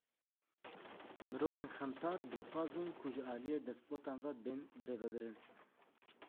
Mirovên xemsar dilxwaz in ku jî aliyê despotan ve bên birêvebirin.